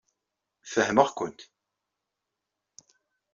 Fehmeɣ-kent.